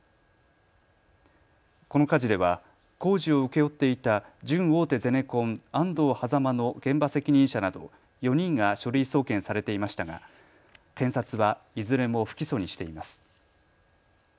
この火事では工事を請け負っていた準大手ゼネコン、安藤ハザマの現場責任者など４人が書類送検されていましたが検察はいずれも不起訴にしています。